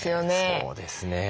そうですね。